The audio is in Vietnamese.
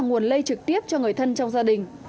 nguồn lây trực tiếp cho người thân trong gia đình